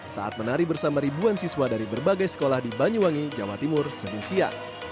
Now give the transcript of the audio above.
saat menari bersama ribuan siswa dari berbagai sekolah di banyuwangi jawa timur senin siang